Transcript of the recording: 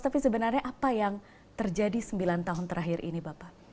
tapi sebenarnya apa yang terjadi sembilan tahun terakhir ini bapak